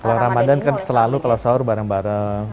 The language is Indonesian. kalau ramadan kan selalu kalau sahur bareng bareng